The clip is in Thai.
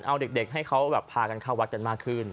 เอาเด็กให้เขาพากันเข้าวัดกันมากขึ้น